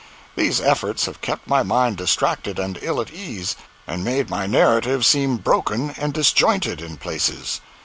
These efforts have kept my mind distracted and ill at ease, and made my narrative seem broken and disjointed, in places.